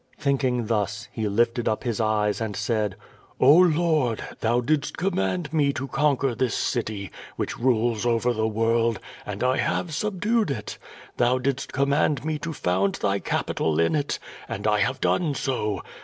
Thinking thus, he lifted up his eyes and said: "0 Lord, Thou didst command me to conquer this city, ^ 494 QUO VADI8. which rules over the world, and I have subdued it. Thou didst command me to found thy capitol in it, and I have done so.